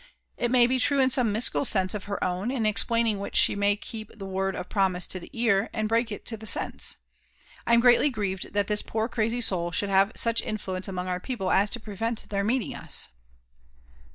It may be true in some mystical sense of her own, in explaining which she might keep the word of promise, to the ear, and break it to the sense. I am greatly grieved that this poor crazy soul should have such influence among our peo ple as to prevent their meeting us."